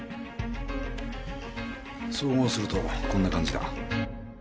総合するとこんな感じだ。